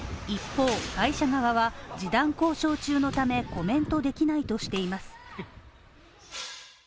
一方、会社側は示談交渉中のためコメントできないとしています。